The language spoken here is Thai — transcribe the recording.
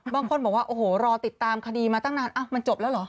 บางคนบอกว่าโอ้โหรอติดตามคดีมาตั้งนานมันจบแล้วเหรอ